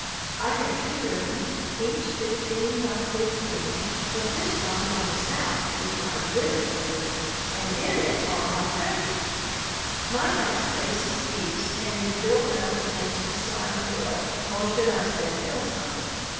I have two rooms, each fifteen by fifteen, but this one on the south is my "really" room and in it are my treasures. My house faces east and is built up against a side hill, or should I say hillside?